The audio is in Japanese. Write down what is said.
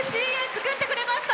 作ってくれました。